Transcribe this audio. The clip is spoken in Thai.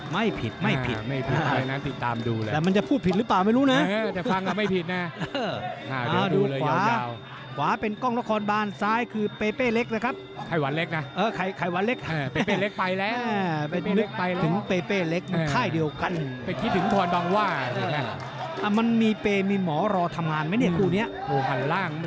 วันนี้ผมต่อยเพื่อเป็นของฝันของโปรเมอร์เตอร์ส่วนชัย